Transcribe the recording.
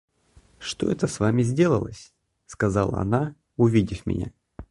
«Что это с вами сделалось? – сказала она, увидев меня.